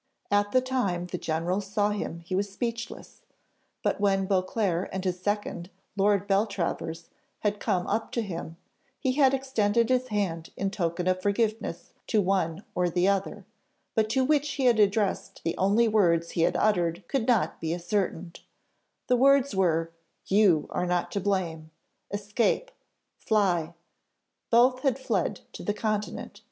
At the time the general saw him he was speechless, but when Beauclerc and his second, Lord Beltravers, had come up to him, he had extended his hand in token of forgiveness to one or the other, but to which he had addressed the only words he had uttered could not be ascertained; the words were, "You are not to blame! escape! fly!" Both had fled to the Continent.